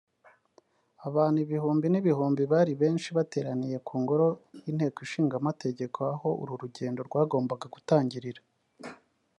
Abantu ibihumbi n’ibihumbi bari benshi bateraniye ku ngoro y’Inteko Ishinga Amategeko aho uru rugendo rwagombaga gutangirira